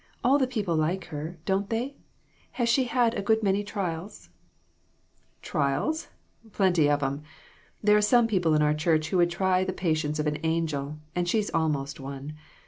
All the people like her, don't they ? Has she had a good many trials ?"" Trials ? Plenty of 'em. There are some people in our church who would try the patience of an angel, and she's almost one.